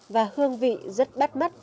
và hương vị rất bắt mắt